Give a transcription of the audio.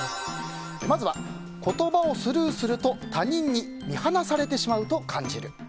まずは、言葉をスルーすると他人に見放されてしまうと感じる。